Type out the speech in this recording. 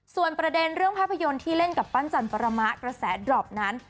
ส่วนประเด็นเรื่องภาพยนตร์ที่เล่นกับปั้นจันปรมะกระแสดรอปนั้น